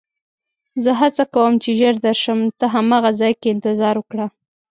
زه هڅه کوم چې ژر درشم، ته هماغه ځای کې انتظار وکړه.